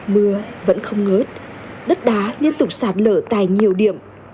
mưa vẫn không ngớt đất đá liên tục sạt lở tại nhiều điểm